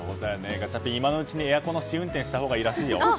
ガチャピン、今のうちにエアコンの試運転したほうがいいらしいよ。